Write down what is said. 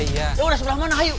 yaudah sebelah mana ayo